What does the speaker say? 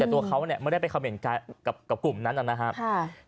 แต่ตัวเขาเนี่ยไม่ได้ไปคำเห็นกับกลุ่มนั้นนะครับ